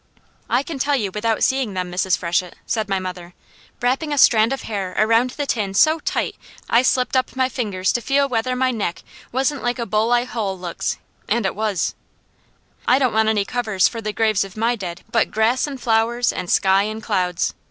"I can tell you without seeing them, Mrs. Freshett," said my mother, wrapping a strand of hair around the tin so tight I slipped up my fingers to feel whether my neck wasn't like a buck eye hull looks, and it was. "I don't want any cover for the graves of my dead but grass and flowers, and sky and clouds.